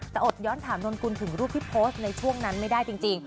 แต่อดย้อนถามนนกุลถึงรูปที่โพสต์ในช่วงนั้นไม่ได้จริง